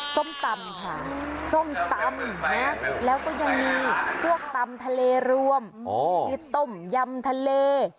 ส้มตำค่ะส้มตำนะแล้วก็ยังมีพวกตำทะเลรวมมีต้มยำทะเล